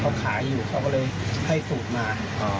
เขาขายอยู่เขาก็เลยให้สูตรมา